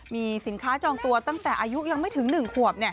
มีสินค้าจองตัวตั้งแต่อายุยังไม่ถึง๑ขวบ